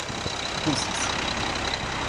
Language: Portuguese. Russas